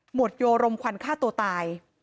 วดโยรมควันฆ่าตัวตาย